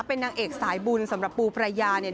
เป็นนางเอกสายบุญสำหรับปูปรายาเนี่ย